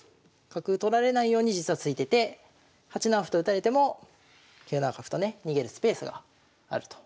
角取られないように実は突いてて８七歩と打たれても９七角とね逃げるスペースがあると。